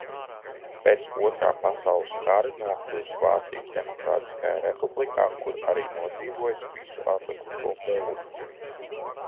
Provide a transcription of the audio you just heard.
Pēc Otrā pasaules kara nokļuvis Vācijas Demokrātiskajā republikā, kur arī nodzīvojis visu atlikušo mūžu.